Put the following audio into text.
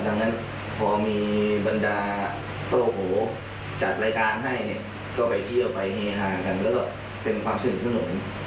ดังนั้นพอมีบรรดาโอ้โหจัดรายการให้เนี่ยก็ไปเที่ยวไปเฮฮากันแล้วก็เป็นความสนุกสนุน